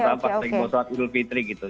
terutama pak tegi bosawat idul fitri gitu